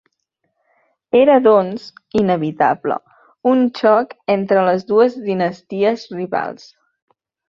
Era doncs, inevitable, un xoc entre les dues dinasties rivals.